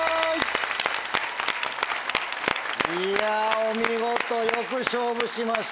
いやお見事よく勝負しました。